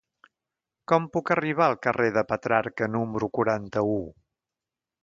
Com puc arribar al carrer de Petrarca número quaranta-u?